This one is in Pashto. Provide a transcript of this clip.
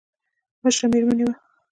مشره مېرمن يې وه.